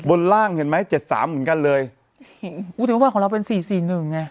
ล่างเห็นไหมเจ็ดสามเหมือนกันเลยพูดถึงว่าของเราเป็นสี่สี่หนึ่งไง